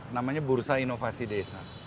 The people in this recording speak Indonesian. namanya bursa inovasi desa